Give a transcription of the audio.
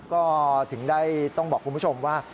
ก็ถึงได้ต้องบอกคุณผู้ชมว่า